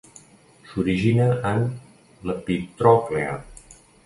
S'origina en l'epitròclea.